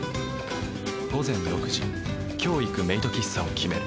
午前６時今日行くメイド喫茶を決める。